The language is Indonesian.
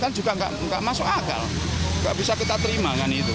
kan juga tidak masuk akal tidak bisa kita terima